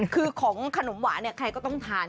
คือของขนมหวานใครก็ต้องทาน